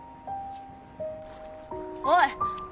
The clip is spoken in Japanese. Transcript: おい！